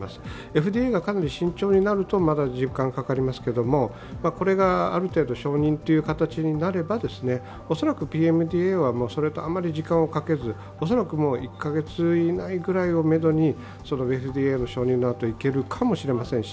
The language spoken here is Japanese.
ＦＤＡがかなり慎重になるとまだ時間かかりますけれどもこれがある程度、承認という形になれば恐らくＰＭＤＡはあまり時間をかけず、おそらく１カ月以内ぐらいをめどにＦＤＡの承認がいけるかもしれませんし。